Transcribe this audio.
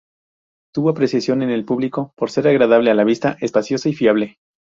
Tuvo apreciación en el público por ser agradable a la vista, espacioso y fiable.